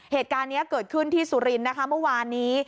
เหตุการณ์นี้เกิดขึ้นที่สุรินทร์นะคะเมื่อวานนี้